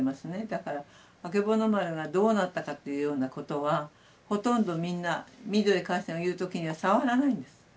だからあけぼの丸がどうなったかっていうようなことはほとんどみんなミッドウェー海戦を言う時には触らないんです。